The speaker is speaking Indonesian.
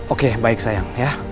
oke baik sayang ya